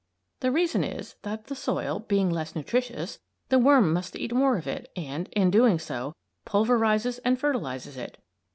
The reason is that the soil, being less nutritious, the worm must eat more of it and, in so doing, pulverizes and fertilizes it.